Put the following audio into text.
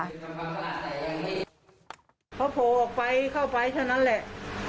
เขาโผล่ออกไปเข้าไปเท่านั้นแหละ